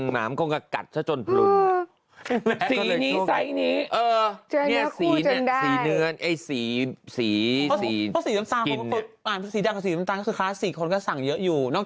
หมามันก็จะกัดจนพลุน